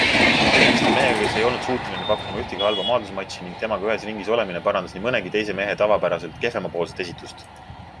Tegemist on mehega, kes ei olnud suuteline pakkuma ühtegi halba maadlusmatši ning temaga ühes ringis olemine parandas nii mõnegi teise mehe tavapäraselt kehvemapoolset esitust.